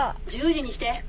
１０時にして。